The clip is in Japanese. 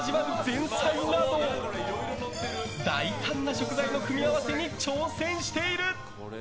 前菜など大胆な食材の組み合わせに挑戦している。